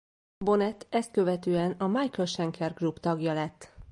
Bonnet ezt követően a Michael Schenker Group tagja lett.